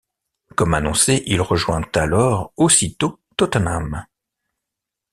Comme annoncé, il rejoint alors aussitôt Tottenham.